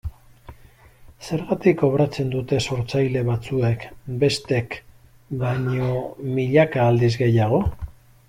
Zergatik kobratzen dute sortzaile batzuek bestek baino milaka aldiz gehiago?